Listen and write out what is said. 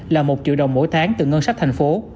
là một triệu đồng mỗi tháng từ ngân sách tp